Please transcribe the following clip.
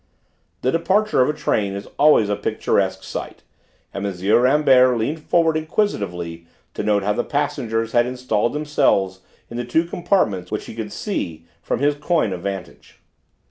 The departure of a train is always a picturesque sight, and M. Rambert leant forward inquisitively to note how the passengers had installed themselves in the two compartments which he could see from his coign of vantage.